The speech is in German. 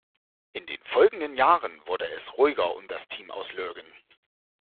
In den folgenden Jahren wurde es ruhiger um das Team aus Lurgan.